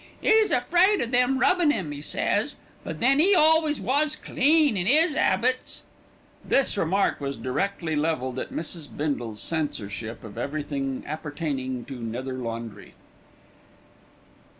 'E's afraid o' them rubbin' 'im, 'e says; but then 'e always was clean in 'is 'abits." This remark was directly levelled at Mrs. Bindle's censorship of everything appertaining to nether laundry.